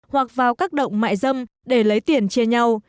hoặc vào các động mại dâm để lấy tiền chia nhau